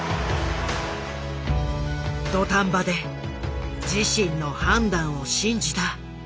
土壇場で自身の判断を信じた立川。